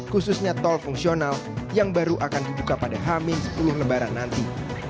khususnya tol fungsional yang baru akan dibuka pada hamin sepuluh lebaran nanti